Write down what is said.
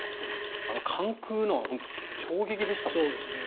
関空のは衝撃でしたもんね。